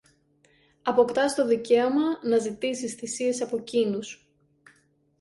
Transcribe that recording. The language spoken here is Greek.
αποκτάς το δικαίωμα να ζητήσεις θυσίες από κείνους